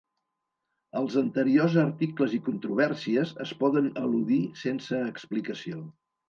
Els anteriors articles i controvèrsies es poden al·ludir sense explicació.